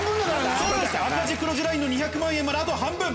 赤字黒字ラインの２００万円まであと半分。